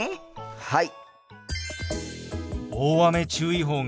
はい！